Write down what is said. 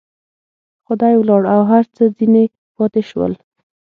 خو دى ولاړ او هر څه ځنې پاته سول.